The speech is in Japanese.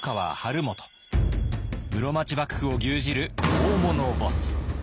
室町幕府を牛耳る大物ボス。